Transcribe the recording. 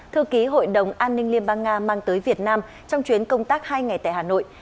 thư ký hội đồng an ninh liên bang nga mang tới việt nam trong chuyến công tác hai ngày tại hà nội